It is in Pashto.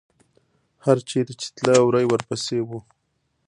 هر چېرې چې تله، وری ورپسې و.